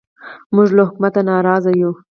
موږ له حکومته نارازه یو